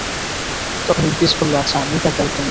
তখন ইবলীস বললঃ আচ্ছা আমিই তার দায়িত্ব নিলাম।